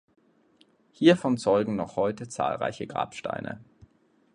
Hiervon zeugen noch heute zahlreiche Grabsteine.